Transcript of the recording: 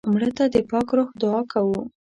مړه ته د پاک روح دعا کوو